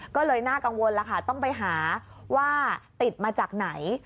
ก็เลยน่ากังวลแล้วค่ะต้องไปหาว่าติดมาจากไหน